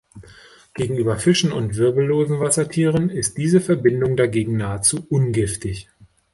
Gegenüber Fischen und wirbellosen Wassertieren ist die Verbindung dagegen nahezu ungiftig.